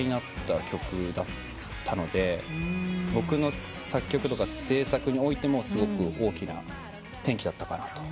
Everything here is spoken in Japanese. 僕の作曲とか制作においてもすごく大きな転機だったかなと。